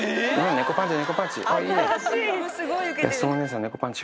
猫パンチ、猫パンチ。